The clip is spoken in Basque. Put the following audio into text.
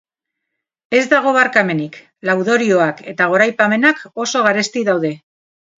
Ez dago barkamenik, laudorioak eta goraipamenak oso garesti daude.